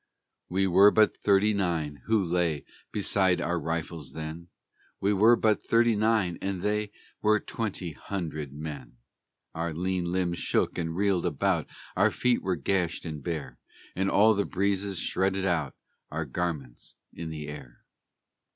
We were but thirty nine who lay Beside our rifles then; We were but thirty nine, and they Were twenty hundred men. Our lean limbs shook and reeled about, Our feet were gashed and bare, And all the breezes shredded out Our garments in the air.